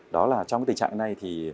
đó là trong tình trạng này thì